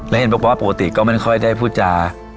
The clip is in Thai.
แล้วเห็นบอกว่าปกติก็ไม่ค่อยได้พูดจา